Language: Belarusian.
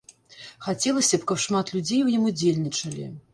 Хацелася б, каб шмат людзей у ім удзельнічалі.